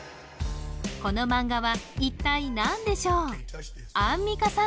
このマンガは一体何でしょうアンミカさん